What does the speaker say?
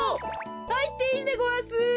はいっていいでごわす。